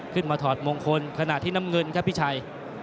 ขึ้นมาถอดมงคลขนาดที่น้ำเงินครับพี่ชัย